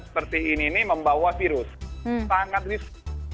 seperti ini membawa virus sangat beresiko